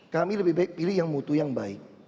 kami lebih baik pilih yang mutu yang baik